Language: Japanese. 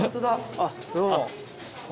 あっどうも。